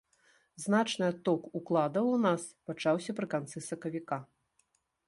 Значны адток укладаў у нас пачаўся пры канцы сакавіка.